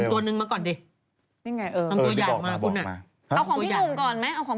ทำตัวหนึ่งมาก่อนดิ